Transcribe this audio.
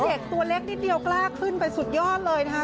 เด็กตัวเล็กนิดเดียวกล้าขึ้นไปสุดยอดเลยนะคะ